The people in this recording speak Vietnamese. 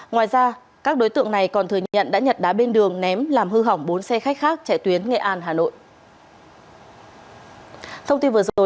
ngoài ra các đối tượng này còn thừa nhận đã nhặt đá bên đường ném làm hư hỏng bốn xe khách khác chạy tuyến nghệ an hà nội